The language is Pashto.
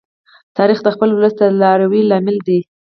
تاریخ د خپل ولس د دلاوري لامل دی.